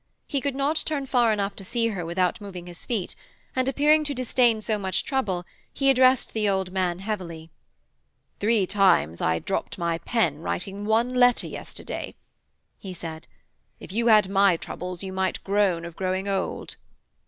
He could not turn far enough to see her without moving his feet, and appearing to disdain so much trouble he addressed the old man heavily: 'Three times I dropped my pen, writing one letter yesterday,' he said; 'if you had my troubles you might groan of growing old.'